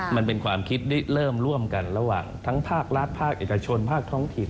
มันเป็นความคิดเริ่มร่วมกันระหว่างทั้งภาครัฐภาคเอกชนภาคท้องถิ่น